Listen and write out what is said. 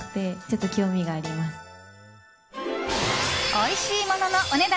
おいしいもののお値段